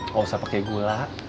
gak usah pake gula